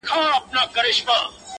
له کوم ځای له کوم کتابه یې راوړی؛